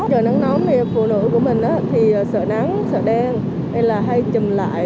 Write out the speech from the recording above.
trời nắng nóng phụ nữ của mình thì sợ nắng sợ đen hay là hay chùm lại